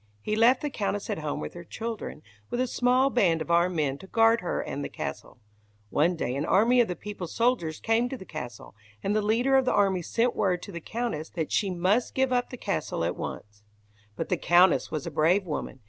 He left the Countess at home with her children, with a small band of armed men to guard her and the castle. One day an army of the people's soldiers came to the castle, and the leader of the army sent word to the Countess that she must give up the castle at once. But the Countess was a brave woman.